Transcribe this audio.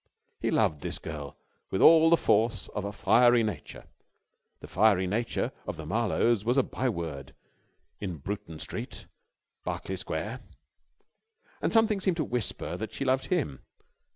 He loved this girl with all the force of a fiery nature the fiery nature of the Marlowes was a byword in Bruton Street, Berkeley Square and something seemed to whisper that she loved him.